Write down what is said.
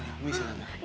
cuma kamu yang sederhana